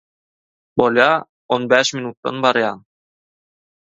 – Bolýar, on bäş minitden barýan.